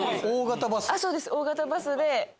大型バス？